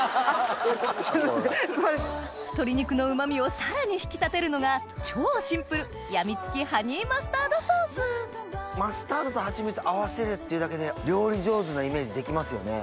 鶏肉のうまみをさらに引き立てるのが超シンプル病みつきマスタードとハチミツ合わせるっていうだけで料理上手なイメージできますよね。